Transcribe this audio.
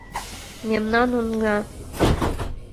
мемнан оҥна.